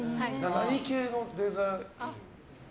何系のデザイナー？